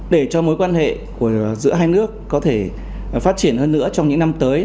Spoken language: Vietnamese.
để cho mối quan hệ giữa hai nước có thể phát triển hơn nữa trong những năm tới